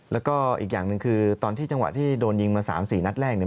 แล้วก็อีกอย่างหนึ่งคือตอนที่จังหวะที่โดนยิงมา๓๔นัดแรกเนี่ย